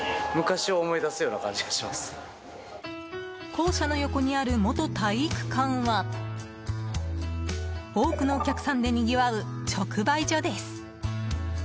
校舎の横にある元体育館は多くのお客さんでにぎわう直売所です。